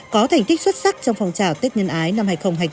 có thành tích xuất sắc trong phòng trào tết nhân ái năm hai nghìn hai mươi bốn